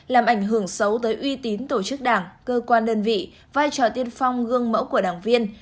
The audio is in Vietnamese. làm ảnh hưởng xấu tới uy tín tổ chức đảng cơ quan đơn vị vai trò tiên phong gương mẫu của đảng viên